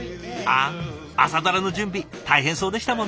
あ「朝ドラ」の準備大変そうでしたもんね。